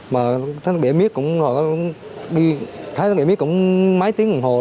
mà thay đổi để biết cũng mấy tiếng đồng hồ rồi